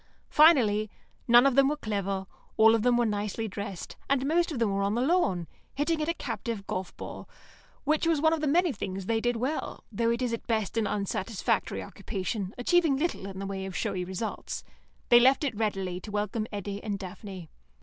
Finally, none of them were clever, all of them were nicely dressed, and most of them were on the lawn, hitting at a captive golf ball, which was one of the many things they did well, though it is at best an unsatisfactory occupation, achieving little in the way of showy results. They left it readily to welcome Eddy and Daphne.